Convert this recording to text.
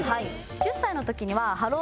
１０歳の時にはハロー！